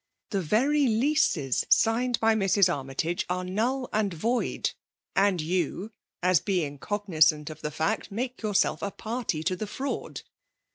The very leases signed by Mrs. Army tage are null and void ; and you, as beings cognizant of the fact, make yourself a party to the fraud.